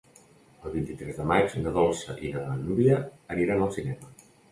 El vint-i-tres de maig na Dolça i na Núria aniran al cinema.